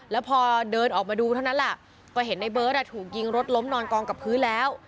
แล้วพอเดินออกมาดูเท่านั้นแหละก็เห็นในเบิร์ตถูกยิงรถล้มนอนกองกับพื้นแล้ว